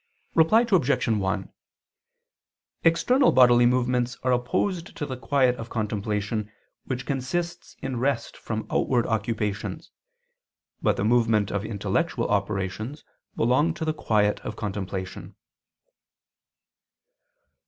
Reply Obj. 1: External bodily movements are opposed to the quiet of contemplation, which consists in rest from outward occupations: but the movements of intellectual operations belong to the quiet of contemplation.